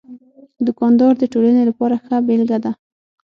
دوکاندار د ټولنې لپاره ښه بېلګه ده.